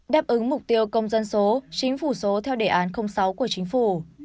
đáp ứng mục tiêu công dân số chính phủ số theo đề án sáu của chính phủ